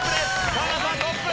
河村さんトップ！